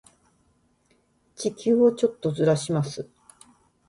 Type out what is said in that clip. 地球をちょっとずらします。